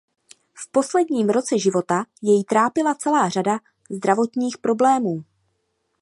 V posledním roce života jej trápila celá řada zdravotních problémů.